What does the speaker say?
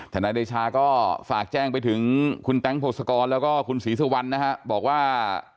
นายเดชาก็ฝากแจ้งไปถึงคุณแต๊งพงศกรแล้วก็คุณศรีสุวรรณนะฮะบอกว่า